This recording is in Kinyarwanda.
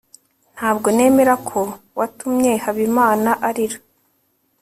ntabwo nemera ko watumye habimana arira